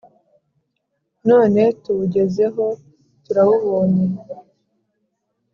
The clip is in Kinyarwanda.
none tuwugezeho, turawubonye!»